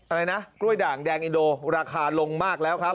อะไรนะกล้วยด่างแดงอินโดราคาลงมากแล้วครับ